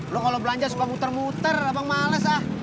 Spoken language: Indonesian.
loh kalau belanja suka muter muter abang males ah